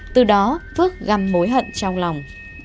từ đó phước găm mối hận trong lòng